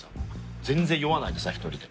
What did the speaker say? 全然酔わないでさ１人で。